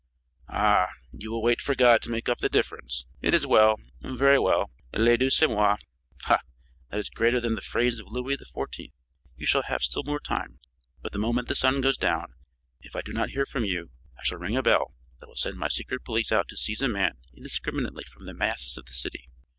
"Ah, you will wait for God to make up the difference. It is well very well; le Dieu c'est moi. Ha! That is greater than the phrase of Louis XIV. You shall have still more time, but the moment the sun goes down, if I do not hear from you, I shall ring a bell that will send my secret police out to seize a man indiscriminately from the masses of the city.